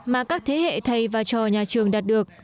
mà các thế hệ thầy và trò nhà trường đạt được